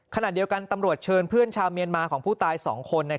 ขณะเดียวกันตำรวจเชิญเพื่อนชาวเมียนมาของผู้ตาย๒คน